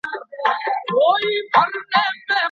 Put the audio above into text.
نور شرونه تر دغه شر کوچني دي.